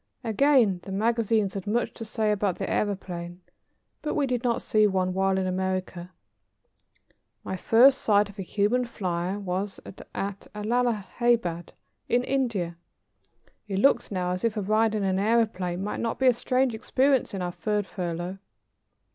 Again the magazines had much to say about the aëroplane, but we did not see one while in America. My first sight of a human flyer was at Allahabad, in India. It looks now as if a ride in an aëroplane might not be a strange experience in our third furlough.